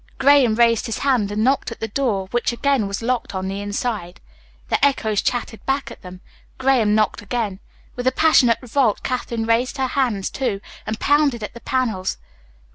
Graham raised his hand and knocked at the door which again was locked on the inside. The echoes chattered back at them. Graham knocked again. With a passionate revolt Katherine raised her hands, too, and pounded at the panels.